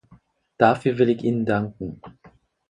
Dafür will ich Ihnen danken!